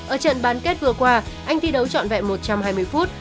ở trận bán kết vừa qua anh thi đấu trọn vẹn một trăm hai mươi phút